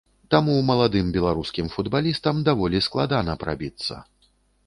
Таму маладым беларускім футбалістам даволі складана прабіцца.